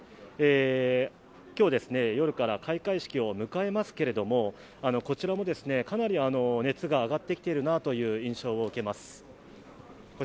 今日、夜から開会式を迎えますけどこちらもかなり熱が上がってきているという印象を受けます。